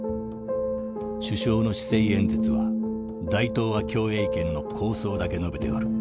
「首相の施政演説は大東亜共栄圏の構想だけ述べておる。